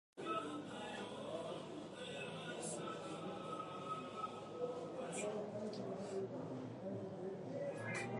دا کتاب د انسان د روح د ارامۍ لپاره یوه لاره ده.